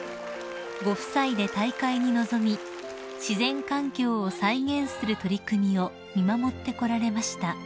［ご夫妻で大会に臨み自然環境を再現する取り組みを見守ってこられました］